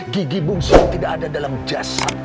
gigi bungsu tidak ada dalam jas